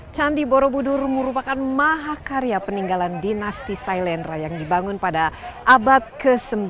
candi borobudur merupakan mahakarya peninggalan dinasti sailendra yang dibangun pada abad ke sembilan